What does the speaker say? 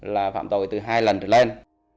là phạm tội từ hai lần trở lên